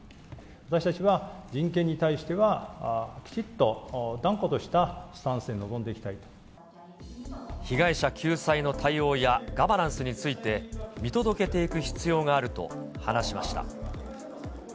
私たちは人権に対してはきちっと断固としたスタンスで臨んでいき被害者救済の対応やガバナンスについて、見届けていく必要があると話しました。